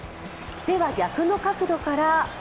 では逆の角度から。